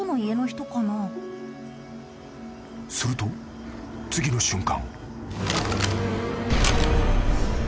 ［すると次の瞬間］